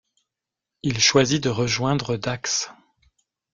Il choisit de rejoindre Dax.